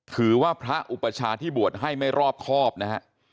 ถือว่าพระอุปชาติที่บวชให้ไม่รอบครอบนะฮะ